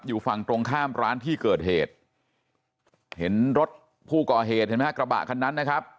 อยู่ฝั่งตรงข้ามร้านที่เกิดเหตุเห็นรถผู้ก่อเหตุเห็นไหมฮะกระบะคันนั้นนะครับ